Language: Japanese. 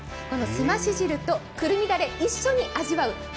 このすまし汁とくるみだれを一緒に味わう